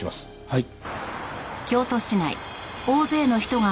はい。